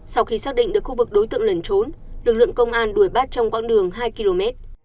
sau khi xác định được khu vực đối tượng lẩn trốn lực lượng công an đuổi bắt trong quãng đường hai km